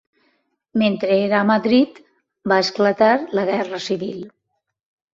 Mentre era a Madrid va esclatar la Guerra Civil.